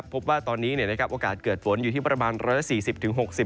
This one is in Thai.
พบว่าตอนนี้โอกาสเกิดฝนอยู่ที่ประมาณ๑๔๐๖๐